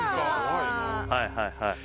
はいはいはい。